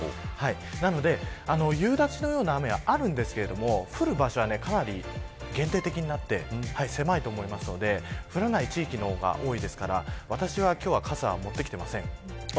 なので、夕立ちのような雨はあるんですけど降る場所はかなり限定的になって狭いと思いますので、降らない地域の方が多いですから私は、今日は傘を持ってきていません。